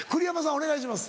お願いします。